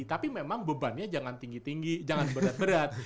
tapi memang bebannya jangan tinggi tinggi jangan berat berat